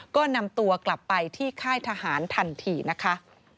ก็นำตัวกลับไปที่ค่ายทหารทันทีนะคะ